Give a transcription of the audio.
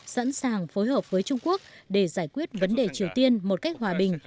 sẵn sàng phối hợp với trung quốc để giải quyết vấn đề triều tiên một cách hòa bình